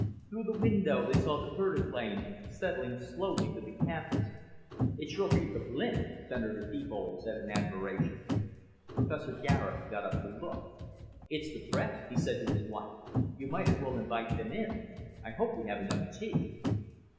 Through the window they saw the vertiplane settling slowly to the campus. "It sure beats a blimp," Senator Thebold said in admiration. Professor Garet got up to look. "It's the press," he said to his wife. "You might as well invite them in. I hope we have enough tea."